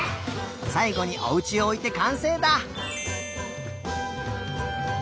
さいごにおうちをおいてかんせいだ！